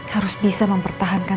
harus bisa mempertahankan